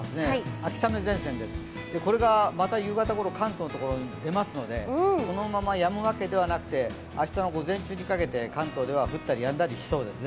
秋雨前線です、これがまた夕方ごろ関東のところに出ますので、このままやむわけではなくて明日の午前中にかけて関東では降ったりやんだりしそうですね。